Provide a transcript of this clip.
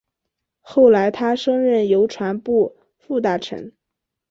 后来他升任邮传部副大臣。